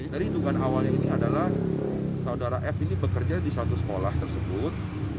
dari dugaan awalnya ini adalah saudara f ini bekerja di satu sekolah tersebut